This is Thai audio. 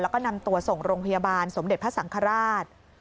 แล้วก็นำตัวส่งโรงพยาบาลสมเด็จพระสังฆราช